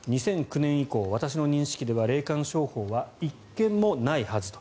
２００９年以降、私の認識では霊感商法は１件もないはずと。